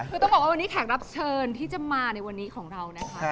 คือต้องบอกว่าวันนี้แขกรับเชิญที่จะมาในวันนี้ของเรานะคะ